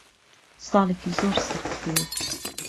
ساڵێکی زۆر سەخت بوو.